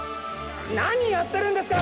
なにやってるんですか！？